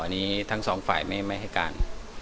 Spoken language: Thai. อันนี้ทั้งสองฝ่ายไม่ให้การ